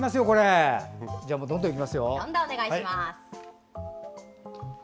どんどんいきますよ。